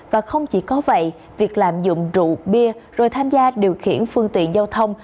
và không chỉ có vậy việc lạm dụng rượu bia rồi tham gia điều khiển phương tiện giao thông